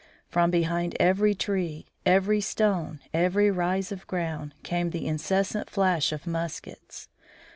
From behind every tree, every stone, every rise of ground, came the incessant flash of muskets.